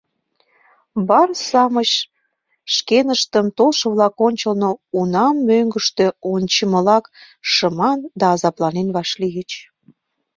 Барс-шамыч шкеныштым толшо-влак ончылно унам мӧҥгыштӧ ончымылак шыман да азапланен вашлийыч.